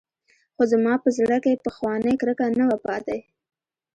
خو زما په زړه کښې پخوانۍ کرکه نه وه پاته.